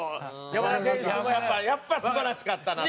山田選手もやっぱ素晴らしかったなと。